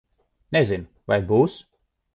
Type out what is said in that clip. Nezinu. Vai būs?